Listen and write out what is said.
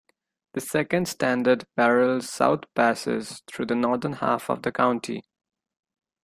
The second standard parallel south passes through the northern half of the county.